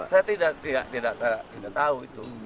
saya tidak tahu itu